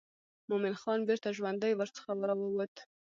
مومن خان بیرته ژوندی ورڅخه راووت.